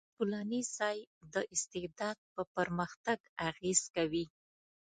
ټولنیز ځای د استعداد په پرمختګ اغېز کوي.